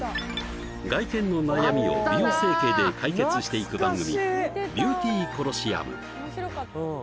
外見の悩みを美容整形で解決していく番組